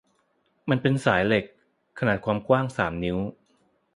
มันเป็นสายเหล็กขนาดความกว้างสามนิ้ว